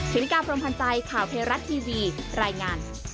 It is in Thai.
ธินิกาพรมพันธ์ใจข่าวเพรรัตทีวีรายงาน